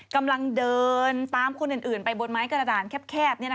กำลังเดินตามคนอื่นไปบนไม้กระดานแคบ